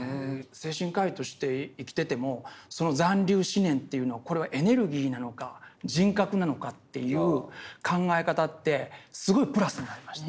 精神科医として生きててもその残留思念というのはこれはエネルギーなのか人格なのかという考え方ってすごいプラスになりました。